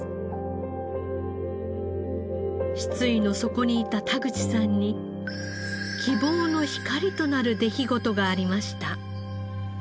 失意の底にいた田口さんに希望の光となる出来事がありました。